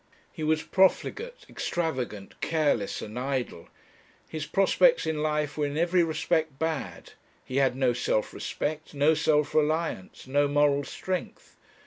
He was profligate, extravagant, careless, and idle; his prospects in life were in every respect bad; he had no self respect, no self reliance, no moral strength.